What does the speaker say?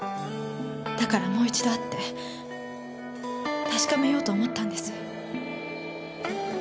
だからもう一度会って確かめようと思ったんです。